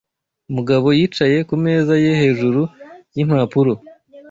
Mugabo yicaye ku meza ye hejuru y'impapuro.